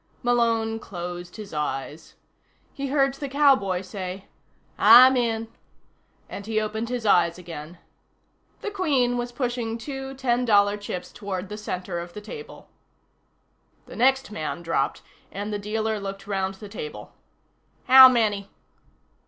Malone closed his eyes. He heard the cowboy say: "I'm in," and he opened his eyes again. The Queen was pushing two ten dollar chips toward the center of the table. The next man dropped, and the dealer looked round the table. "How many?"